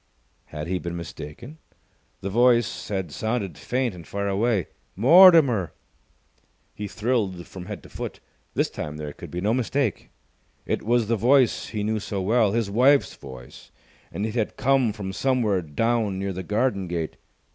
Had he been mistaken? The voice had sounded faint and far away. "Mortimer!" He thrilled from head to foot. This time there could be no mistake. It was the voice he knew so well, his wife's voice, and it had come from somewhere down near the garden gate.